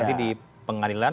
nanti di pengadilan